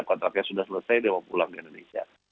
kontraknya sudah selesai dia mau pulang ke indonesia